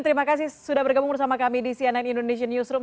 terima kasih sudah bergabung bersama kami di cnn indonesian newsroom